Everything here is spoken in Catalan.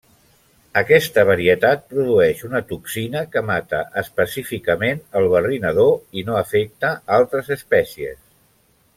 Aquesta varietat produeix una toxina que mata específicament el barrinador i no afecta altres espècies.